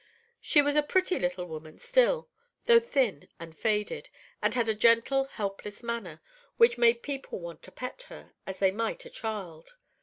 She was a pretty little woman still, though thin and faded, and had a gentle, helpless manner, which made people want to pet her, as they might a child.